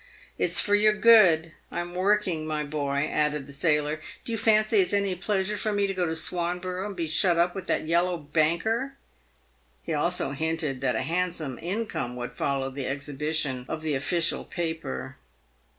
" It's for your good I'm working, my boy," added the sailor. " Do you fancy it's any pleasure for me to go to Swanborough and be shut up with that yellow banker ?" He also hinted that a handsome income would follow the exhibition of the official paper.